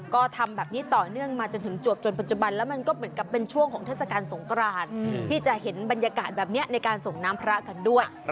ก็ทำแบบนี้ต่อเนื่องมาจนถึงจวบจนปัจจุบันแล้วมันก็เหมือนกับเป็นช่วงของเทศกาลสงกรานที่จะเห็นบรรยากาศแบบนี้ในการส่งน้ำพระกันด้วย